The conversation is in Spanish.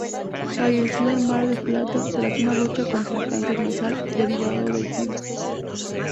Falleció en Mar del Plata tras una lucha con cáncer nasal, derivado del sida.